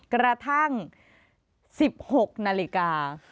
กระทั่ง๑๖นาฬิกา